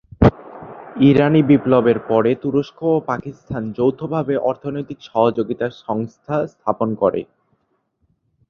ইরানী বিপ্লব এর পরে তুরস্ক ও পাকিস্তান যৌথভাবে অর্থনৈতিক সহযোগিতা সংস্থা স্থাপন করে।